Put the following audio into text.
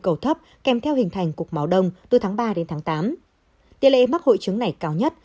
cầu thấp kèm theo hình thành cục máu đông từ tháng ba đến tháng tám tỷ lệ mắc hội chứng này cao nhất